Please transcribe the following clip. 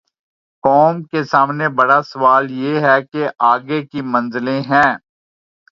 قوم کے سامنے بڑا سوال یہ ہے کہ آگے کی منزلیں ہیں۔